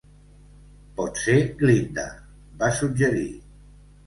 "Pot ser Glinda", va suggerir.